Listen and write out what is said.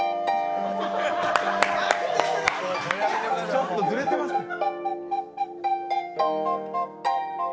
ちょっとずれてますね。